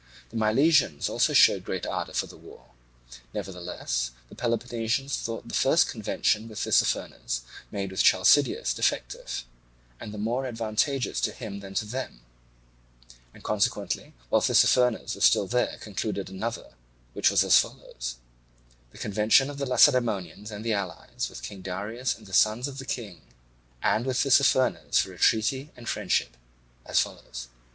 The Milesians also showed great ardour for the war. Nevertheless the Peloponnesians thought the first convention with Tissaphernes, made with Chalcideus, defective, and more advantageous to him than to them, and consequently while Therimenes was still there concluded another, which was as follows: The convention of the Lacedaemonians and the allies with King Darius and the sons of the King, and with Tissaphernes for a treaty and friendship, as follows: 1.